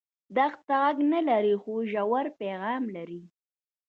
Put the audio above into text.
دښته غږ نه لري خو ژور پیغام لري.